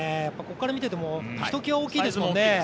ここから見ていてもひときわ大きいですもんね。